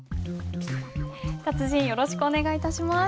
達人よろしくお願い致します。